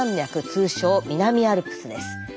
通称南アルプスです。